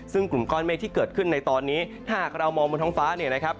ซึ่งกลุ่มก้อนเมฆที่เกิดขึ้นในตอนนี้ถ้าหากเรามองบนท้องฟ้าเนี่ยนะครับ